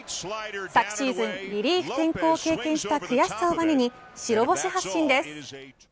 昨シーズン、リリーフ転向を経験した悔しさをばねに白星発進です。